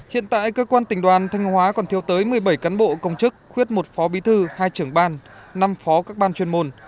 hiện tại cơ quan tỉnh đoàn thanh hóa còn thiêu tới một mươi bảy cán bộ công chức khuyết một phó bí thư hai trưởng ban năm phó các ban chuyên môn